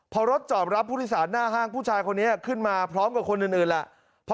พอรถจอดรับผู้โดยสารหน้าห้างผู้ชายคนนี้ขึ้นมาพร้อมกับคนอื่นแหละ